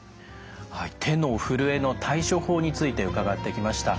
手のふるえの対処法について伺ってきました。